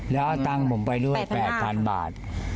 แล้วตั้งผมไปด้วย๘๐๐๐บาท